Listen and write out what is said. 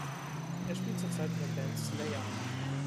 Er spielt zurzeit in der Band Slayer.